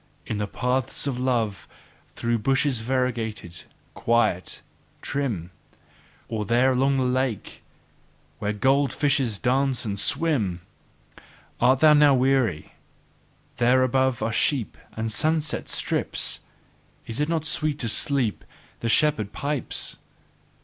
In the paths of love, through bushes variegated, quiet, trim! Or there along the lake, where gold fishes dance and swim! Thou art now a weary? There above are sheep and sun set stripes: is it not sweet to sleep the shepherd pipes?